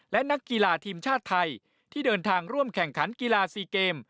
และนักกีฬาทีมชาติไทยที่เดินทางร่วมแข่งขันกีฬาซีเกม